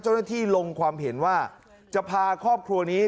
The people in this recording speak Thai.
เจ้าหน้าที่ลงความเห็นว่าจะพาครอบครัวนี้